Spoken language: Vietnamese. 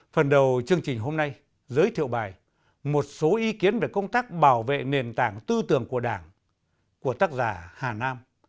phần đầu chương trình hôm nay giới thiệu bài một số ý kiến về công tác bảo vệ nền tảng tư tưởng của đảng của tác giả hà nam